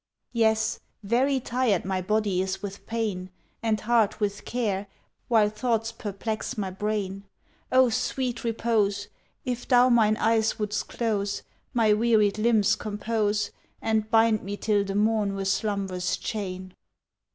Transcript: Yes, very tired my body is with pain, And heart with care, while thoughts perplex my brain. O sweet Repose! If thou mine eyes wouldst close, My wearied limbs compose, And bind me till the morn with slumb'rous chain!